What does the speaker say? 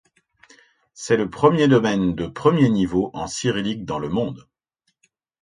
C'est le premier domaine de premier niveau en cyrillique dans le monde.